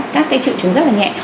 các triệu chứng rất là nhẹ